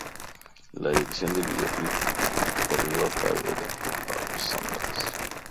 La dirección del videoclip corrió a cargo de Rupert Sanders.